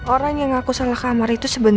orang yang ngaku salah kamar itu sebenernya randy